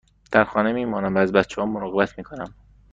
در خانه می مانم و از بچه ها مراقبت می کنم.